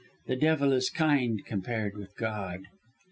The devil is kind compared with God."